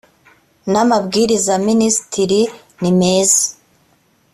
n amabwiriza ya minisitiri nimeza